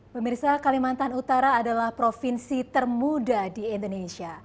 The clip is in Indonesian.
pemirsa kalimantan utara adalah provinsi termuda di indonesia